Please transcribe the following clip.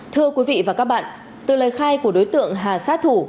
thưa quý vị và các bạn từ lời khai của đối tượng hà sát thủ